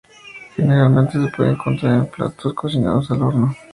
Generalmente se puede encontrar en los platos cocinados al horno.